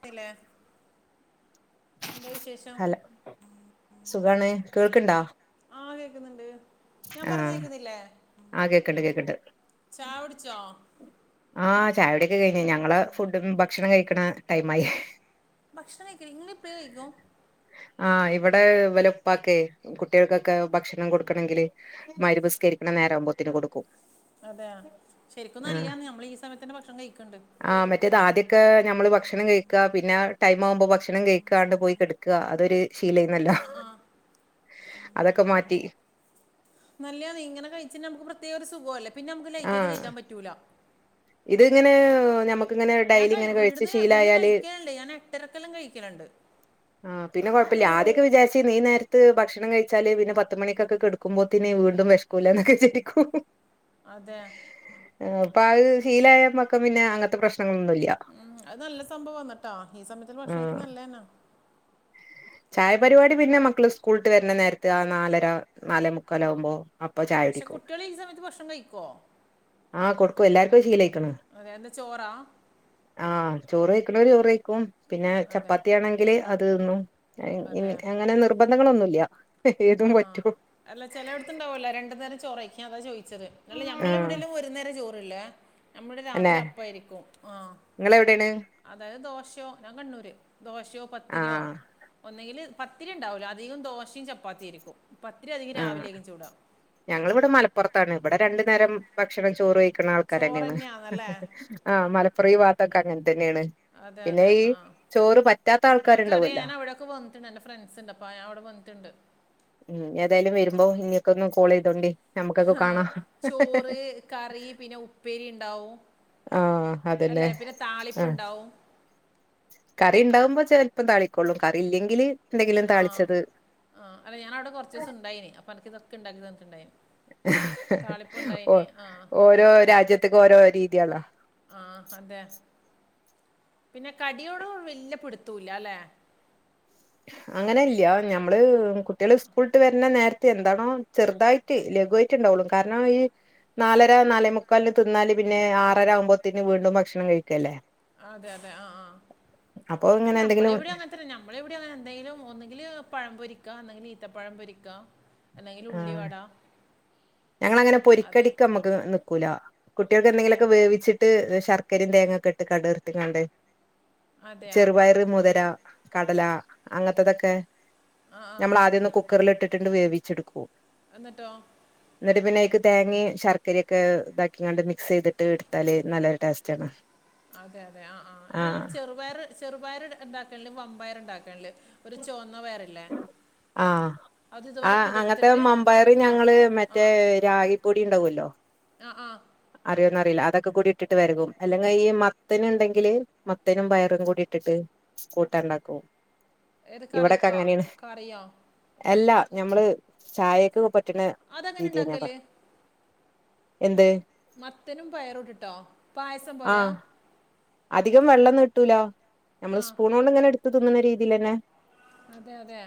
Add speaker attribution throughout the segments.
Speaker 1: ന്നില്ലേ. ന്താ വിശേഷം
Speaker 2: ഹലോ സുഖാണ്. കേൾക്ക് ഇണ്ടോ?
Speaker 1: ആഹ് കേക്ക്ന്ന് ഇണ്ട്. ഞാം പർഞ്ഞെ
Speaker 2: ആഹ്
Speaker 1: കേക്ക്ന്നില്ലെ? ആഹ് കേക്ക്ണ്ട്. ചായ കുട്ച്ചോ?
Speaker 2: ആഹ് ചായുടി ഒക്കെ കഴ്ഞ്ഞ് ഞങ്ങളെ ഫുഡും ഭക്ഷണം കഴിക്ക്ണ ടൈമായി
Speaker 1: ഭക്ഷണം കഴിക്കെൽ ഇങ്ങെൾ ഇപ്പഴെ കഴിക്കോ?
Speaker 2: ആഹ് ഇവടെ ഇവലെ ഉപ്പാക്കെയ് കുട്ടികൾക്കൊക്കെ ഭക്ഷണം കൊട്ക്കണെങ്കിൽ മഹ്‌രിബ് നിസ്ക്കെരിക്ക്ണ നേരം ആവുമ്പോത്തിന് കൊട്ക്കും
Speaker 1: അതെയാ ശരിക്കും നല്ലയാന്നെ നമ്മെൾ ഈ സമയത്തെന്നെ ഭക്ഷണം കഴിക്കെണ്ടെയ്
Speaker 2: ആഹ് മറ്റേത് ആദ്യൊക്കെ നമ്മള് ഭക്ഷണം കഴിക്കാ പിന്നെ ടൈം ആ വ്മ്പൊ ഭക്ഷണം കഴിക്കാണ്ട് പോയി കെട്ക്ക ക്കാ അതൊര് ശീലായ്ക്ക്ണല്ലോ
Speaker 1: ആഹ്
Speaker 2: അതൊക്കെ മാറ്റി
Speaker 1: നല്ലയാന്നെ ഇങ്ങനെ കയിച്ചാ നമ്മെക്ക് പ്രത്യേക ഒരു സുഖു അല്ലെ പിന്നെ നമ്മെക്ക് ലെയ്റ്റായിറ്റ് കയ്ക്കാൻ പറ്റൂലാ
Speaker 2: ഇത് ഇങ്ങനെ ഹ് ഞമ്മ
Speaker 1: ഞാം കഴിക്കി ഈട്ന്ന് ഞാ ഈട്ന്ന് കഴിക്കെൽ ഇണ്ട് ഞാൻ എട്ടെരെക്ക് എല്ലാം കഴിക്കെൽ ഇണ്ട്
Speaker 2: ആഹ് പിന്നെ കൊഴപ്പ ഇല്ല ആദ്യൊക്കെ വിചാര്ച്ചിര്ന്നി ഈ നേര് ത്ത് ഭക്ഷെണം കഴിച്ചാൽ പിന്നെ പത്ത് മണിക്കൊക്കെ കെട്ക്കുമ്പോത്തിന് വീണ്ടും വെശ്ക്കൂലെന്നൊക്കെ വിചാരിക്കും
Speaker 1: അതെ
Speaker 2: ഏഹ് ഇപ്പ അഹ് ശീലായ പക്കം പിന്നെ അങ്ങത്തെ പ്രശ്നങ്ങളൊന്നും ഇല്ല്യാ
Speaker 1: ഉം അഹ് നല്ല സംഭവാന്ന് ട്ടോ ഈ സമയത്തെന്നെ
Speaker 2: ആ
Speaker 1: ഭക്ഷണം കഴിക്കുന്നെ നല്ലെയ് എന്നാ
Speaker 2: ചായപരിപാടി പിന്നെ മക്കെൾ സ്ക്കൂൾട്ട് വെര്ന്ന നേര്ത്ത് ആഹ് നാലര നാലേ മുക്കാലാവുമ്പോ അപ്പൊ ചായ
Speaker 1: പക്ഷെ കുട്ടിയെൾ ഈ സമയെത്ത് ഭക്ഷണം കഴിക്കോ?
Speaker 2: ആഹ് കൊട്ക്കും എല്ലാര്ക്കും അഹ് ശീലായിക്ക്ണ്
Speaker 1: അതെ എന്താ ചോറാ
Speaker 2: ആഹ് ചോറ് വെയ്ക്ക്ണോര് ചോറ് വൈക്കും പിന്നെ
Speaker 1: അതെ
Speaker 2: ചപ്പാത്തിയാണെങ്കിൽ അത് തിന്നും അഹ് ഇൻ
Speaker 1: അതെ
Speaker 2: അങ്ങനെ നിർബന്ധങ്ങളൊന്നും ഇല്ലാ
Speaker 1: ആഹ് ആഹ് അല്ല ചെലോട്ത്ത് ഇണ്ടാവല്ലോ രണ്ട് നേരം ചോറെയ്ക്കാ അതാ ചോയി ച്ചെത് ഇങ്ങെൾ
Speaker 2: ആ
Speaker 1: ഞമ്മളെ ഇവിടെ എല്ലാം ഒരു നേരം ചോറ് ഇല്ലെ. നമ്മുടെ രാത്രി അപ്പായിരിക്കും. ആഹ്
Speaker 2: ഇങ്ങെൾ എവിടെയാണ്?
Speaker 1: അതായെത് ദോശയോ? ഞാൻ കണ്ണൂര് ദോശയോ?
Speaker 2: ആ
Speaker 1: പത്തിരിയോ? ഒന്നെങ്കിൽ പത്തിരി ഇണ്ടാവൂലാ അധികം ദോശിം ചപ്പാത്തിം ആയിരിക്കും പത്തിരി അധികം രാവിലെക്കും ചുടാ
Speaker 2: ഞങ്ങെൾ ഇവെടെ മലപ്പൊറത്താണ് ഇബെടെ രണ്ട് നേരം ഭക്ഷണം ചോറ് കഴിക്ക്ണ ആൾക്കാരെന്നെയാണ്.
Speaker 1: ചോറന്നെയാന്നല്ലേ
Speaker 2: ആഹ് മലപ്പുറം ഈ വാത്തൊക്കെ അങ്ങെന് തെന്നെയാണ്.
Speaker 1: അതെ
Speaker 2: പിന്നെ
Speaker 1: അതെ
Speaker 2: ഈ
Speaker 1: ആഹ്
Speaker 2: ചോറ് പറ്റാത്ത ആൾക്കാര് ഇണ്ടാവോല്ലോ
Speaker 1: ക്ക് വന്ന്ട്ട് ഇണ്ട് എന്റെ ഫ്രണ്ട്സ് ഇണ്ട് അപ്പ ഞാ അവ്ടെ വന്ന്ട്ട് ഇണ്ട്
Speaker 2: ഉം ഏതായാലും വെരുമ്പോ ഇന്നെക്കൊന്ന് കോൾ ചെയ്തോണ്ടി ഞമ്മക്കൊക്കെ
Speaker 1: ആഹ്
Speaker 2: കാണാം
Speaker 1: ചോറ് കറി പിന്നെ ഉപ്പേരി ഇണ്ടാവും
Speaker 2: ആഹ് അതന്നെ
Speaker 1: അല്ലെ പിന്നെ താളിപ്പ്
Speaker 2: ആഹ്
Speaker 1: ഇണ്ടാവും
Speaker 2: കറി ഉണ്ടാവുമ്പോ ചെലൽപ്പം താളിക്കൊള്ളു കറി ഇല്ലെങ്കിൽ എന്തെങ്കിലും
Speaker 1: ആഹ്
Speaker 2: താളിച്ചെത്
Speaker 1: ആഹ് അല്ല ഞാൻ അവ്ടെ കൊർച്ചൂസം ഇണ്ടായിനി അപ്പ അൻക്ക് ഇതൊക്കെ ഇണ്ടാക്കി തന്നിട്ട് ഇണ്ടായിനി
Speaker 2: ഓഹ് ഓരോ രാജ്യത്ത്ക്ക് ഓരോ രീതിയാണ്ലോ
Speaker 1: ആഹ് അതെ പിന്നെ കടിയോടു വെല്ല്യ പിടിത്തൂല്ലാ ലെ
Speaker 2: അങ്ങനെ ഇല്ല്യ ഞമ്മെൾ കുട്ടിയാൾ സ്ക്കൂൾട്ട് വെര്ന്ന നേര്ത്ത് എന്താണോ ചെറ്തായി ട്ട് ലഘുവായിറ്റ് ഇണ്ടാവൊള്ളു കാര്ണം ഈ നാലെര നാലെമുക്കാൽന് തിന്നാല് പിന്നെ ആറെര ആവുമ്പോത്തിന് വീണ്ടും ഭക്ഷണം കഴിക്ക അല്ലെ
Speaker 1: അതെ അതെ ആഹ് ആഹ് അഹ്
Speaker 2: ഇങ്ങനെ
Speaker 1: നമ്മളെ
Speaker 2: എന്തെങ്കിലും
Speaker 1: ഇവിടിം അങ്ങെന് ത്തെരം നമ്മളെ ഇവ്ടിം അങ്ങനെ എന്തെങ്കിലും ഒന്നെങ്കിൽ പഴം പൊരിക്കാ അന്നെങ്കിൽ ഈത്തപ്പഴം പൊരിക്കാ അല്ലെങ്കിൽ ഉള്ളി വടാ
Speaker 2: ഞങ്ങെൾ അങ്ങനെ പൊരിക്കടിക്ക് അമ്മെക്ക് നിക്കൂലാ കുട്ടികൾക്ക് എന്തെങ്കിലും
Speaker 1: അതെയാ
Speaker 2: ഒക്കെ വേവിച്ച് ട്ട് ശർക്കെരിം തേങ്ങിം ഒക്കെ ഇട്ട് കട് വർത്ത് കാണ്ട്
Speaker 1: അതെയാ
Speaker 2: ചെറുപയറ് മുതെര, കടല, അങ്ങത്തതൊക്കെ
Speaker 1: ആഹ് ആഹ്
Speaker 2: ഞമ്മെൾ ആദ്യം ഒന്ന് കുക്കറ്ൽ ഇട്ട്ട്ട് ഇണ്ട് വേവി ഒച്ചെടുക്കോ
Speaker 1: എന്നിട്ടോ
Speaker 2: എന്നിട്ട് പിന്നെ അതിക്ക് തേങ്ങയും ശർക്കരയ ഒക്കെ ഇതാക്കിണ്ട് മിക്സ് ചെയ്തിട്ട് എടുത്താല് നല്ലൊരു ടേസ്റ്റാണ്
Speaker 1: അതെ അതെ ആ ആങ്ങനെ ചെറുപയറ് ചെറുപയറ് ഉണ്ടാക്കല് വമ്പയർ ഉണ്ടാക്കണല്ലെ ഒരു ചുവന്ന പയറില്ലേ
Speaker 2: ആ
Speaker 1: അത്
Speaker 2: ഹ്ആ
Speaker 1: ഇതുപോലെ
Speaker 2: അങ്ങനത്തെ
Speaker 1: കുതിർത്തിട്ട്
Speaker 2: മമ്പയർ
Speaker 1: ആ
Speaker 2: ഞങ്ങള് മറ്റേ രാഗിപ്പൊടി ഉണ്ടാകുമല്ലോ
Speaker 1: ആഹ് ആഹ്
Speaker 2: അറിയോന്നറിയില്ല അതൊക്കെ കൂടി ഇട്ടിട്ട് വെരകും അല്ലെങ്കിൽ ഈ മത്തന് ണ്ടെങ്കില് മത്തനും പയറും കൂടി ഇട്ടിട്ട് കൂട്ടാണ്ടാക്കും
Speaker 1: ഏത്
Speaker 2: ഇവെടെക്കെ
Speaker 1: കറിക്കോ
Speaker 2: അങ്ങനെയാണ്
Speaker 1: കറിയോ
Speaker 2: എല്ലാ ഞമ്മെൾ ചായെക്ക് പറ്റ്ണെ
Speaker 1: അത് എങ്ങനെ ഇണ്ടാക്കെൽ
Speaker 2: എന്ത്
Speaker 1: മത്തനും പയറും ഇട്ടിട്ടോ പായസം പോലെയാ
Speaker 2: ആഹ് അധികം വെള്ളം നി ട്ടുലാ
Speaker 1: ആ
Speaker 2: നമ്മള് സ്പൂൺ കൊണ്ട് ഇങ്ങനെ എടുത്ത് തിന്നുന്ന രീതിയിൽ തന്നെ
Speaker 1: അതെ അതെ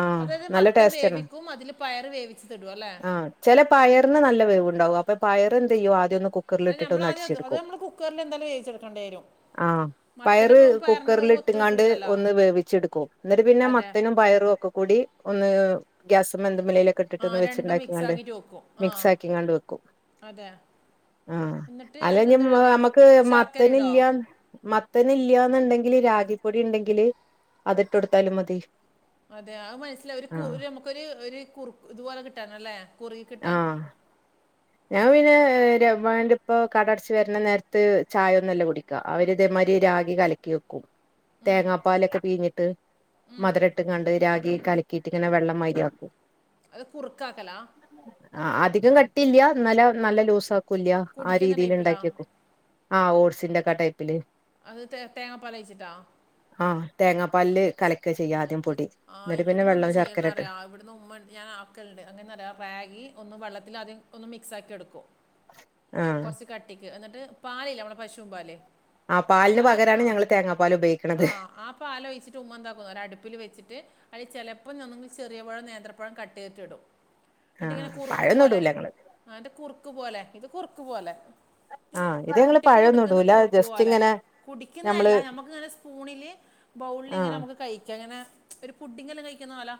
Speaker 2: ആ
Speaker 1: അതായത്
Speaker 2: നല്ല
Speaker 1: മത്തൻ
Speaker 2: ടേസ്റ്റാണ്
Speaker 1: വേവിക്കും അതിൽ പയർ വേവിച്ചിട്ട് ഇടും അല്ലേ
Speaker 2: ആ ചില പയറിന് നല്ല വേവുണ്ടാവും പ്പപയറെന്ത്ചെയ്യും ആദ്യൊന്നു കു
Speaker 1: അത് നമ്മൾ ആദ്യംഅത് അത് നമ്മള് കുക്കറിൽ എന്തായാലും വേവിച്ചെടുക്കേണ്ടി വരും
Speaker 2: ആ
Speaker 1: മത്തൻ്റെ
Speaker 2: പയറ്
Speaker 1: വേവും പയറിൻ്റെ വേവും ഒത്തു
Speaker 2: കുക്കറിൽട്ടുംങ്ങാണ്ട്
Speaker 1: കിട്ടൂലല്ലോ
Speaker 2: ഒന്ന് വേവിച്ചെടുക്കും എന്നിട്ട് പിന്നെ
Speaker 1: അതെ
Speaker 2: മത്തനും പയറും ഒക്കെ കൂടി ഒന്ന് ഗ്യാസുമെന്തു മിലൊക്കെ
Speaker 1: ആ
Speaker 2: ഇട്ടിട്ടൊന്ന്
Speaker 1: രണ്ടും മിക്സ്
Speaker 2: വെച്ചുണ്ടാക്കിണ്ട്
Speaker 1: ആക്കിയിട്ട് വെക്കും ആ
Speaker 2: മിക്സ് ആക്കിങ്ങണ്ട് വെക്കും
Speaker 1: അതെ
Speaker 2: ആ
Speaker 1: എന്നിട്ട്
Speaker 2: അല്ലെ നി
Speaker 1: അതിലെന്തിടല്ലേ
Speaker 2: നമ്മക്ക്
Speaker 1: ശർക്കര ഇടോ
Speaker 2: മത്തനില്ല മത്തനില്ലന്നുണ്ടെങ്കില് രാഗിപ്പൊടി ഉണ്ടെങ്കില് അതിട്ട് കൊടുത്താലും മതി
Speaker 1: അതെ അത് മനസ്സില ഒരു കു
Speaker 2: ആഹ്
Speaker 1: ഒരു നമുക്കൊ ഒരു ഒരു കുറു ഇതുപോലെ കിട്ടാനല്ലേ കുറുകി കിട്ടാൻ
Speaker 2: ആഹ് ഞാൻ പിന്നെ ര മ്മാന്റുപ്പ കട അട ച്ച് വരണ നേരത്ത് ചായ ഒന്നല്ല കുടി അവര് ഇതേമാതിരി രാഗി കലക്കി വെക്കും തേങ്ങാപ്പാലൊക്കെ പിഴിഞ്ഞിട്ട് മധുര ഇട്ട് ങ്ങാണ്ട് രാഗി കല ഇതിങ്ങനെ വെള്ളം മാതിരിയാക്കും
Speaker 1: അത് കുറക്കാക്കലാ
Speaker 2: ആ അധികം കട്ടില്ല ഇന്നലാ നല്ല ലൂസ ആക്കൂല്ല ആ
Speaker 1: കുടിക്കുന്ന
Speaker 2: രീതിൽ
Speaker 1: ടൈപ്പിലാ
Speaker 2: ഇണ്ടാക്കിവെ ക്കും ആ ഓട്സിന്റെ ഒ കെ ആടൈ പ്പില്
Speaker 1: അത് തെ തേങ്ങാപ്പാലൊഴിച്ചിട്ടോ
Speaker 2: ആ തേങ്ങാപ്പാലില് കലക്ക ചെയ്യ ആദ്യം പൊടി
Speaker 1: ആ
Speaker 2: എന്നിട്ട് പിന്നെ
Speaker 1: ഇവിടന്ന് എന്താ
Speaker 2: വെള്ളം ശർക്കര
Speaker 1: ചെയ്യണംന്ന്
Speaker 2: ഇട്ട്
Speaker 1: അറിയ ഇവിടന്ന് ഉമ്മൻ ഞാൻ ക്കലുണ്ട് എങ്ങാനെന്നാരോയോ രാഗി ഒന്ന് വെള്ളത്തിൽ ആദ്യം ഒന്ന് മിക്സ്‌ ആക്കി എടുക്കും
Speaker 2: ആഹ്
Speaker 1: കുറച്ച് കട്ടിക്ക് എന്നിട്ട് പാലില്ലെ നമ്മടെ പശുവും പാല്
Speaker 2: ആ പാലിന്
Speaker 1: അത്
Speaker 2: പകരാണ് ഞങ്ങള് തേങ്ങാ പാൽ ഉപയോഗിക്കണത്
Speaker 1: പാല് ഒഴിച്ചിട്ട് ഉമ്മ എന്താക്കുന്നു ഒ അടുപ്പിൽ വച്ചിട്ട് അതില് ചിലപ്പോ ചെറിയ പഴം നേന്ത്രപ്പഴം കട്ട് ചെയ്തിട്ട് ഇടും
Speaker 2: ആഹ്
Speaker 1: എന്നട്ടിങ്ങനെ കുറുക്ക്
Speaker 2: പഴൊന്നും
Speaker 1: പോലെ
Speaker 2: ഇടൂല ഞങ്ങള്
Speaker 1: ആതെ കുറുക്ക് പോലെ ഇത് കുറുക്ക് പോലെ
Speaker 2: ആഹ് ഇത് ഞങ്ങള്
Speaker 1: കുട്ടിക്ക്
Speaker 2: പഴൊന്നും
Speaker 1: കൊടുക്കുന്ന
Speaker 2: ഇടൂല
Speaker 1: കുറുക്കു
Speaker 2: ജസ്റ്റ്
Speaker 1: പോലെ
Speaker 2: ഇങ്ങനെ ഞമ്മള്
Speaker 1: കുടിക്കുന്നതല്ല നമുക്കിങ്ങനെ സ്പൂണില് ബൗളിൽ ഇങ്ങനെ
Speaker 2: ആഹ്
Speaker 1: നമുക്ക് കഴിക്കാം ഇങ്ങനെ ഒരു പുഡിങ്ങെല്ലാം കഴിക്കുന്നോ പോലാ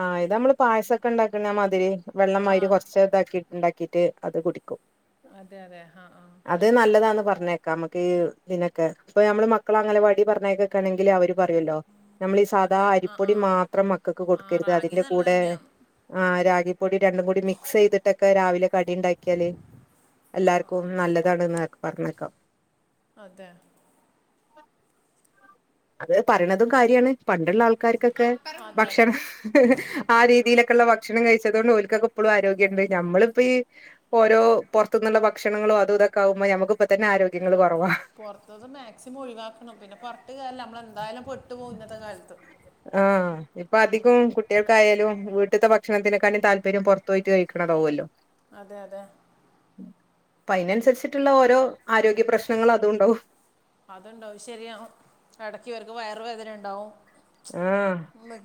Speaker 2: ആ ഇത് നമ്മള് പായസൊക്കെ ഉണ്ടാക്കുന്ന മാതിരി വെള്ളം
Speaker 1: ആ
Speaker 2: മാരിര് കുറച്ച ഇതാക്കിട്ട് ഇണ്ടാക്കിട്ട് അത് കുടിക്കും
Speaker 1: അതെ അതെ ആഹ് ആ
Speaker 2: അത് നല്ലതാന്ന് പറഞ്ഞേക്കാം നമുക്ക് ഇതിനൊക്കെ ഇപ്പൊ നമ്മള് മക്കള അംഗൻവാടി പറഞ്ഞയക്ക ക്കണങ്കിൽ അവര് പറയുല്ലോ നമ്മളീ സാദാ
Speaker 1: അതെ ആ
Speaker 2: അരിപ്പൊടി
Speaker 1: ആ
Speaker 2: മാത്രം മക്കൾക്ക് കൊടുക്ക
Speaker 1: ആ റാഗി
Speaker 2: ക്കരുത്അതിന്റെ
Speaker 1: നല്ലത്
Speaker 2: കൂടെ
Speaker 1: തന്നെയാണ്
Speaker 2: ആ രാഗി പൊടി രണ്ടും കൂടി മിക്സ് ചെയ്തിട്ടൊക്കെ രാവിലെ കടി ഉണ്ടാക്കിയാല് എല്ലാർക്കും നല്ലതാണ് ന്നു എന്നപറഞ്ഞേക്കാം
Speaker 1: അതെ
Speaker 2: അത് പറയണതും കാര്യമാണ്! പണ്ടുള്ള ആൾക്കാർക്കൊക്കെ
Speaker 1: അതെ അതെ
Speaker 2: ഭക്ഷണം... ആ രീതിയിലൊക്കെയള്ള ഭക്ഷണം കഴിച്ചത് കൊണ്ട് ഓൽക്കൊക്കെ എപ്പോഴും ആരോഗ്യുണ്ട്! ഞമ്മളിപ്പോ ഈ... ഓരോ പുറത്തു നിന്നുള്ള ഭക്ഷണങ്ങളും അതും ഇതൊക്കെ ആകുമ്പോ ഞമ്മക്കിപ്പ തന്നെ ആരോഗ്യങ്ങൾ കുറവാ.. !
Speaker 1: പുറത്തൂന്ന് മാക്സിമം ഒഴിവാക്കണം. പിന്നെ പറഞ്ഞിട്ട് കാര്യം ഇല്ല നമ്മൾ എന്തായാലും പെട്ടു പോവും ഇന്നത്തെ കാലത്ത്.. !
Speaker 2: ആഹ്! ഇപ്പൊ അധികം കുട്ടികൾക്കായാലും വീട്ടത്തെ ഭക്ഷണത്തിനെക്കാ ണ്ടിം താല്പര്യം പുറത്തു പോയിട്ട് കഴിക്കണതാവുല്ലോ?
Speaker 1: അതെ! അതെ!
Speaker 2: അപ്പൊ അതിനനുസരിച്ചിട്ടുള്ള ഓരോ ആരോഗ്യ പ്രശ്നങ്ങളും അതും ഉണ്ടാവും.
Speaker 1: അതുണ്ടാവും ശരിയാ... ! ഇടക്കിവർക്ക് വയറു വേദന ഉണ്ടാവും. !
Speaker 2: ആ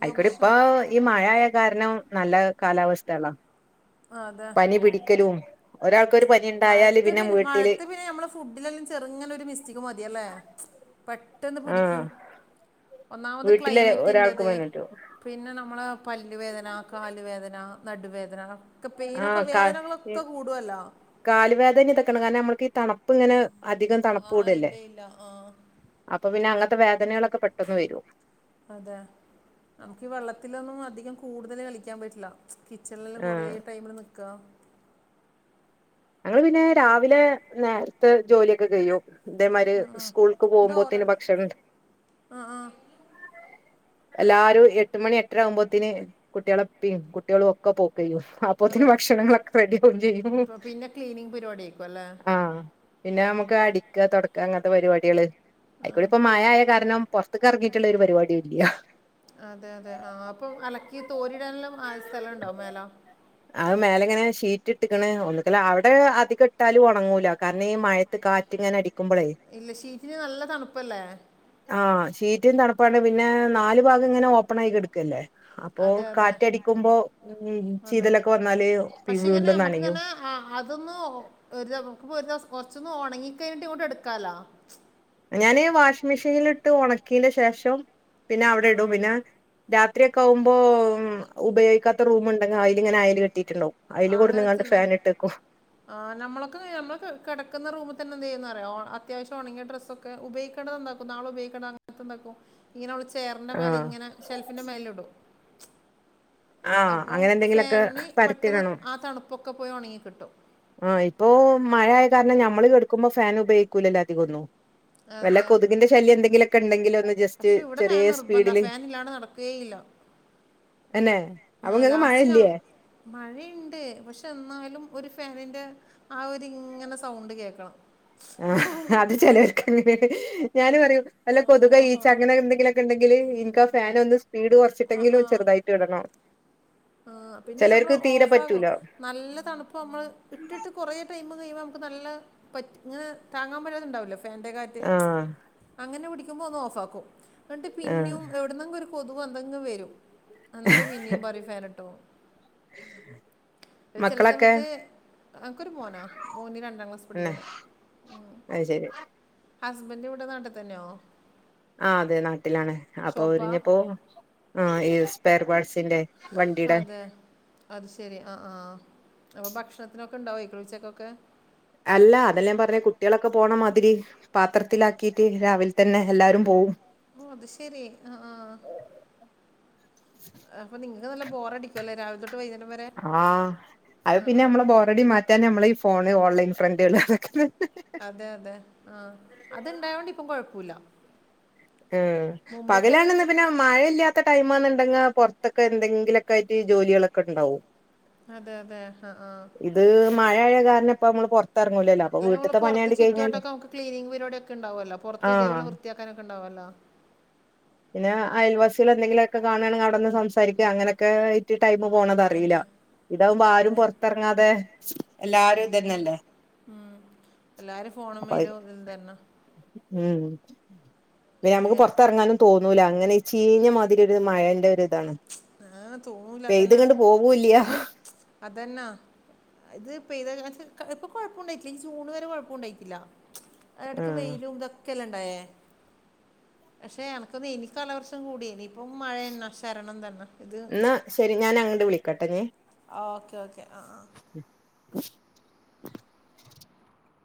Speaker 2: അയിക്കോടി ഇപ്പൊ ഈ മഴ ആയ കാരണം നല്ല കാലാവസ്ഥയണല്ലോ?
Speaker 1: അതെ
Speaker 2: പനി പിടിക്കലും,, ഒരാൾക്കൊരു പനി ഉണ്ടായാല്
Speaker 1: മഴത്ത്
Speaker 2: പിന്നെ വീട്ടില്...
Speaker 1: മഴത്ത് പിന്നെ നമ്മളെ ഫുഡിലെല്ലാം ചെറുങ്ങനെ ഒരു മിസ്റ്റേക്ക് മതിയല്ലേ? പെട്ടെന്ന്
Speaker 2: ആഹ്
Speaker 1: പിടിക്കും. ഒന്നാമത്
Speaker 2: വീട്ടില് ഒരാൾക്ക്
Speaker 1: ക്ലൈമറ്റിന്റത്..
Speaker 2: പനി പറ്റും !
Speaker 1: പിന്നെ നമ്മൾ പല്ലുവേദന, കാലുവേദന, നടുവേദന.... പേയിനൊക്കെ വേദനകളൊക്കെ കൂടുവല്ലോ?
Speaker 2: കാലു വേദന ഇതക്കണം കാരണം നമ്മുക്ക് തണുപ്പ ഇങ്ങനെ അധികം തണുപ്പ്
Speaker 1: ആ
Speaker 2: കൂടല്ലേ...
Speaker 1: ഇല്ല ഇല്ല ആ
Speaker 2: അപ്പൊ പിന്നെ അങ്ങനത്തെ വേദനകളൊക്കെ പെട്ടെന്ന് വരും...
Speaker 1: അത,, നമുക്ക് ഈ വെള്ളത്തിലൊന്നും അധികം കൂടുതല് കളിക്കാൻ പറ്റില്ല. ! കിച്ചണിലും
Speaker 2: ആഹ്
Speaker 1: കുറേ ടൈമിൽ നിൽക്ക..
Speaker 2: ഞങ്ങള് പിന്നെ രാവിലെ നേരത്തെ ജോലിയൊക്കെ കഴിയും.. ഇതേമാരി സ്കൂൾക്ക് പോകുമ്പോത്തേന്
Speaker 1: ഡോറടി
Speaker 2: ഭക്ഷണംണ്ട്..
Speaker 1: ആ ആ
Speaker 2: എല്ലാരും എട്ട് മണി എട്ടര ആകുമ്പോത്തന് കുട്ടികളെപ്പ്യും കുട്ടികളും ഒക്കെ പോക്കയിനും.. അപ്പോത്തീന്
Speaker 1: അതെ
Speaker 2: ഭക്ഷണങ്ങളൊക്കെ റെഡി ആകും ചെയ്യും...
Speaker 1: ഇപ്പം പിന്നെ ക്ലീനിങ് പരിപാടി ആയിരിക്കുംല്ലേ?
Speaker 2: ആഹ്! പിന്നെ, നമുക്ക് അടിക്ക തുടക്ക അങ്ങനത്തെ പരിപാടികള്... ആയിക്കൂടെ
Speaker 1: ആ
Speaker 2: ഇപ്പം മഴ
Speaker 1: പിന്നെ
Speaker 2: ആയ കാരണം പുറത്തക്ക് ഇറങ്ങിയിട്ടുള്ള ഒരു പരിപാടിയും ഇല്ല.. !
Speaker 1: അതെ അതെ ആഹ് അപ്പൊ അലക്കി തോരിടാനെല്ലാം ആ സ്ഥലം ഉണ്ടോ മേല??
Speaker 2: അത് മേലെ ഇങ്ങനെ ഷീറ്റ് ഇട്ടക്കണ് ഒന്നുകിൽ, അവിടെ അധികം ഇട്ടാലും ഉണങ്ങൂല.. കാരണം ഈ മഴത്ത് കാറ്റ് ഇങ്ങനെ അടിക്കുമ്പോളേ..
Speaker 1: ഇല്ല ഷീറ്റിന് നല്ല തണുപ്പല്ലേ?
Speaker 2: ആഹ്! ഷീറ്റും തണുപ്പാണ്ട് പിന്നെ നാല് ഭാഗം ഇങ്ങനെ ഓപ്പൺ ആയി എടുക്കും... ക്കല്ലേ? അപ്പോ
Speaker 1: അതെ അതെ
Speaker 2: കാറ്റടിക്കുമ്പോ ഉ..
Speaker 1: അതെ
Speaker 2: ചിതലൊക്കെ വന്നാല്, വീണ്ടും നനയും... !
Speaker 1: അതൊന്നു, ഒരുപ്പൊ ഒരു ദിവസ കൊറച്ചൊന്ന് ഉണങ്ങി ക്കഴിഞ്ഞിട്ട് ഇങ്ങോട്ട് എടുക്കാലാ?
Speaker 2: ഞാൻ വാഷിംങ്ങ് മെഷീനിലിട്ട് ഉണക്കിയന്റെ ശേഷം പിന്നെ
Speaker 1: ആ
Speaker 2: അവിടെ ഇടും പിന്നെ... രാത്രിയൊക്കെ ആവുമ്പോ,, ഉപയോഗിക്കാത്ത റൂം ഉണ്ടെങ്കിൽ അയില് ഇങ്ങനെ അയൽ കെട്ടിട്ടുണ്ടാവും!
Speaker 1: ആ,
Speaker 2: അതിൽ കൂടു
Speaker 1: അങ്ങനെ
Speaker 2: ന്നുങ്ങാണ്ട്
Speaker 1: തന്നെ
Speaker 2: ഫാൻ ഇട്ടേക്കും. !
Speaker 1: ആ നമ്മളൊക്കെ നമ്മ കെടക്കുന്ന റൂമെ എന്ത് ചെയ്യുന്ന അറിയോ? അത്യാവശ്യം ഉണങ്ങിയ ഡ്രസ്സോ... ക്കെ, ഉപയോഗിക്കണ്ടത് എന്താക്കും? നാളെ ഉപയോഗിക്കേണ്ട ത് എന്താക്കും.. ഇങ്ങനെയുള്ള ചെയറിൻ്റെ മേലെ,
Speaker 2: ആഹ്
Speaker 1: ഇങ്ങനെ ഷെൽഫിന്റെ മേലെ ഇടും!
Speaker 2: ആഹ്
Speaker 1: അപ്പം
Speaker 2: അങ്ങനെ എന്തെങ്കിലുമൊക്കെ
Speaker 1: ഫാനന് പെട്ടെന്ന്
Speaker 2: പരത്തിടണം
Speaker 1: ആ തണുപ്പൊക്കെ പോയി ഉണങ്ങി കിട്ടും!
Speaker 2: ആഹ്! ഇപ്പോ മഴയ കാരണം നമ്മള് കെടുക്കുമ്പോ ഫാൻ ഉപയോഗിക്കൂലല്ലാ അധികമൊന്നും.. വല്ല
Speaker 1: അതെ
Speaker 2: കൊതുകിന്റെ ശല്യം എന്തെങ്കിലുമൊക്കെ ഉണ്ടെങ്കില്, ഒന്ന് ജസ്റ്റ് ചെറിയ സ്പീഡില്...
Speaker 1: ഇതില്ലാണ്ട് നടക്കുക്കേയില്ല,
Speaker 2: തന്നെ അപ്പൊ
Speaker 1: ആ
Speaker 2: ഇങ്ങക്ക്
Speaker 1: ലാസ്റ്റിനു അവ...
Speaker 2: മഴയില്ലേ
Speaker 1: മഴയുണ്ട്! പക്ഷെ എന്നാലും ഒരു ഫാനിന്റെ... ആ ഒരിങ്ങനെ സൗണ്ട് കേക്കണം
Speaker 2: ആഹ് അത് ചിലർക്കന്നെ ഞൻ പറയും വല്ല കൊതുക ഈച്ച അങ്ങനെ എന്തെങ്കിലും ണ്ടെങ്കില് എനക്ക് ആ ഫൻ ഒന്ന് സ്പീഡ് കുറച്ചിട്ടെങ്കിലും ചെറുതായിട്ട് ഇടണം
Speaker 1: ആ പിന്നെ നമ്മള്
Speaker 2: ചെലോർക്ക് തീരെ
Speaker 1: ഓഫാകും
Speaker 2: പറ്റൂല
Speaker 1: നല്ല തണുപ്പ് നമ്മൾ ഇട്ടിട്ട് കുറേ ടൈമ് കഴിയുമ്പോൾ നമുക്ക് നല്ല പറ്റ ഇങ്ങനെ താങ്ങാൻ പറ്റാതുണ്ടാവുല്ലെ ഫാൻന്റെ കാ
Speaker 2: ആഹ്
Speaker 1: അങ്ങനെ പിടിക്കുമ്പോൾ ഒന്ന് ഓഫ് ആക്കും എന്നിട്ട്
Speaker 2: ആഹ്
Speaker 1: പിന്നും എവിടുന്നെങ്കും ഒരു കൊതുവ എന്തെങ്കിലും വരും അന്നേരം പിന്നെയും ഫാനിട്ടോ ഒരു
Speaker 2: മക്കളൊക്കെ
Speaker 1: ചിലസമയത്ത് അൻക്കൊരു മോനാ മോന് രണ്ടാം ക്ലാസ്
Speaker 2: തന്നെ
Speaker 1: പഠിക്കന്ന്
Speaker 2: അത് ശരി
Speaker 1: ഹുസ്ബന്റ് ഇവിടെ നാട്ടി തന്നെയോ
Speaker 2: ആ അതെ നാട്ടിലാണ് അപ്പൊ
Speaker 1: ഷോപ്പാ
Speaker 2: അവരിനിപ്പോ ആഹ് ഈ സ്പെയർ പാട്സിന്റെ വണ്ടിയുടെ
Speaker 1: അതെ അത് ശരി ആഹ് ആഹ് അപ്പോൾ ഭക്ഷണത്തിനൊക്കെ ഉണ്ടാവുയ്ക്കുലെ ഉച്ചക്കൊക്കെ
Speaker 2: അല്ല അതെല്ല ഞാൻ പറഞ്ഞത് കുട്ട്യാളൊക്കെ പോണ മാതിരി പാത്രത്തിലാക്കിയിട്ട് രാവിലെ തന്നെ എല്ലാരും പോവും
Speaker 1: ഓ അത് ശെരി ആഹ് ആഹ് അപ്പൊ നിങ്ങക്ക് നല്ല ബോറടിക്കുവല്ലേ രാവില തൊ ട്ട് വൈന്നേരം വരെ
Speaker 2: ആഹ് അത് പിന്നെ നമ്മളെ ബോറഡി മാറ്റാൻ നമ്മളെ ഈ ഫോണ് ഓൺലൈൻ ഫ്രണ്ടാള് അതൊക്കെ
Speaker 1: അതെ അതെ ആഹ് അത്‌ ഇണ്ടായോണ്ട് ഇപ്പം കൊഴപ്പല്ല
Speaker 2: ഏഹ്
Speaker 1: ആണെങ്കിൽ
Speaker 2: പകലാണെന്ന് പിന്നെ മഴ ഇല്ലാത്ത ടൈമാന്ന്ണ്ടെങ്കിൽ പുറത്തൊക്ക എന്തങ്കിലൊക്കെ ആയിട്ട് ജോലികളൊക്കെ ഉണ്ടാവും
Speaker 1: അതെ അതെ ആ ആ
Speaker 2: ഇത് മഴ ആയ കാരണം ഇപ്പ നമ്മള് പുറത്തിറങ്ങൂലല്ലോ അപ്പൊ വീട്ട്ത്തെ പണിയാണ്ട് കഴിഞ്ഞാല്
Speaker 1: നമക്ക് ക്ലിനിങ് പരിപാടി ഒക്കെ ഉണ്ടാവല്ലോ പുറത്ത്
Speaker 2: ആഹ്
Speaker 1: ഇതേപോലെ വൃത്തിയാക്കാനോക്കെ ഉണ്ടാവുല്ലോ
Speaker 2: പിന്നെ അയൽവാസികൾ എന്തെങ്കിലുമൊക്കെ കാണുകണെങ്കിൽ അവിടെന്ന് സംസാരിക്കുക അങ്ങനൊക്കെ ട്ട് ടൈമ് പോണത് അറീല്ല
Speaker 1: അതെ
Speaker 2: ഇതാവുബോ ആരും
Speaker 1: മഴ
Speaker 2: പൊറത്തിറങ്ങാതെ എല്ലാരും ഇതന്നെയല്ലേ
Speaker 1: ഉം എല്ലാരും ഫോണ
Speaker 2: അപ്പൊ
Speaker 1: മേലും ഇതിലും തന്നെ
Speaker 2: ഉം പിന്നെ നമുക്ക് പോറത്തിറങ്ങാനും തോന്നൂല അങ്ങനെ ചീഞ്ഞ മാതിരി ഒരു മഴേന്റെ ഒരു ഇതാണ്
Speaker 1: ആ തോന്നൂല
Speaker 2: പെയ്തിങ്ങട്ട് പോവൂല്ല്യ
Speaker 1: അതെന്ന ഇത് പെയ്ത ഇപ്പൊ കൊഴപ്പം ഉണ്ടായിട്ടില്ല ഈ ജൂൺ വരെ കൊഴപ്പുണ്ടായിട്ടില്ല എടക്ക്
Speaker 2: ആഹ്
Speaker 1: വെയിലും ഇതൊക്കെ ക്കെണ്ടായെ. പക്ഷേ അനക്ക് തോന്ന് എനി കാലാവർഷം കൂടി എനി ഇപ്പം മഴയെന്ന ശരണം തന്നെ ഇത്
Speaker 2: ന്നാ ശരി ഞാനങ്ങട്ട് വിളിക്കട്ടാ ഇനി
Speaker 1: ആഹ് ഓക്കേ ഓക്കേ ആഹ് ആഹ്